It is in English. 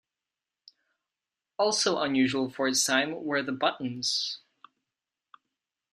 Also unusual for its time were the buttons.